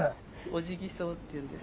オジギソウっていうんです。